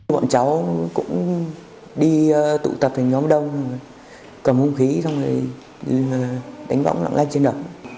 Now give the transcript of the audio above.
bọn cháu cũng đi tụ tập hình nhóm đông cầm hông khí xong rồi đánh bóng lặng lanh trên đường